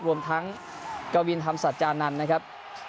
รวมทั้งกวินธรรมสัจจานันทร์นะครับ